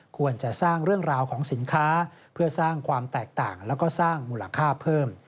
ควรจะสร้างเรื่องราวของสินค้าเพื่อสร้างความแตกต่างแล้วก็สร้างมูลค่าเพิ่ม